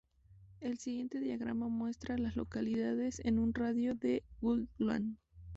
El siguiente diagrama muestra a las localidades en un radio de de Woodlawn.